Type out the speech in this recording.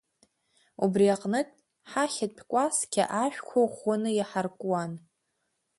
Убри аҟынтә ҳахьатә кәасқьа ашәқәа ӷәӷәаны иаҳаркуан.